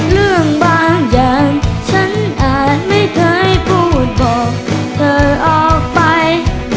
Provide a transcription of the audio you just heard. เรื่องบางอย่างฉันอาจไม่เคยพูดบอกเธอออกไป